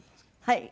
はい。